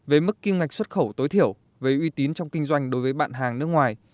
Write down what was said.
về mức kim ngạch xuất khẩu tối thiểu về uy tín trong kinh doanh đối với bạn hàng nước ngoài